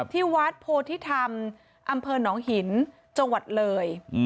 ที่วัดโพธิธรรมอำเภอหนองหินจังหวัดเลย